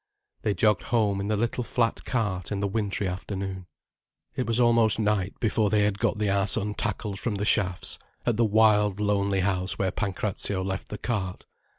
They jogged home in the little flat cart in the wintry afternoon. It was almost night before they had got the ass untackled from the shafts, at the wild lonely house where Pancrazio left the cart.